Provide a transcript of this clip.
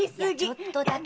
ちょっとだけ！